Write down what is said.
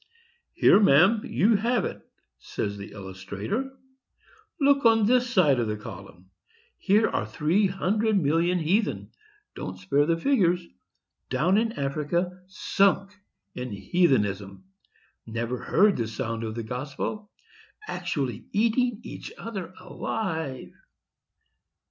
"Here, ma'am, you have it," says the illustrator; "look on this side of the column: here are three hundred million of heathen,—don't spare the figures,—down in Africa, sunk in heathenism—never heard the sound of the gospel—actually eating each other alive.